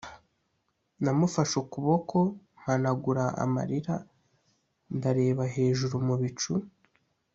namufashe ukuboko mpanagura amarira ndareba hejuru mu bicu.